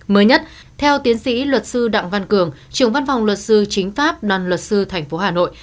mới nhất theo tiến sĩ luật sư đặng văn cường trưởng văn phòng luật sư chính pháp đoàn luật sư tp hà nội